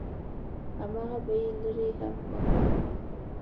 همغه به يې لرې هم کا.